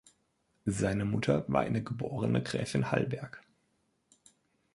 Seine Mutter war eine geborene Gräfin Hallberg.